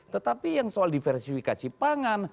tetapi yang soal diversifikasi pangan